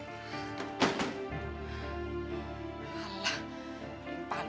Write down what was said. limpahan gue sekarang